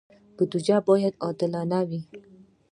بودجه باید عادلانه وي